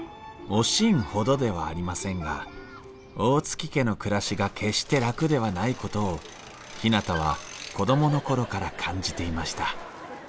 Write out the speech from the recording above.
「おしん」ほどではありませんが大月家の暮らしが決して楽ではないことをひなたは子供の頃から感じていました